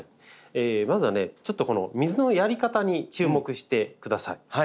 まずはねちょっとこの水のやり方に注目してください。